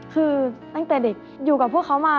คือตั้งแต่เด็กอยู่กับพวกเขามา